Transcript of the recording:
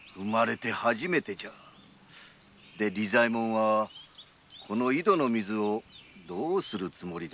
で利左衛門はこの井戸の水をどうするつもりだ？